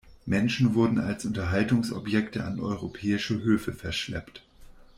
Menschen wurden als Unterhaltungsobjekte an europäische Höfe verschleppt.